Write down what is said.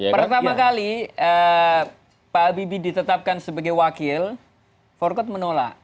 pertama kali pak habibie ditetapkan sebagai wakil forkot menolak